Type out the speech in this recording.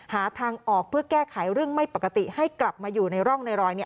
หาทางออกเพื่อแก้ไขเรื่องไม่ปกติให้กลับมาอยู่ในร่องในรอยเนี่ย